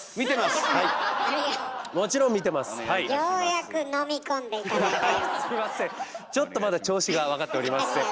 すいませんちょっとまだ調子が分かっておりません。